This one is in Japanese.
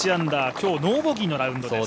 今日ノーボギーのラウンドです。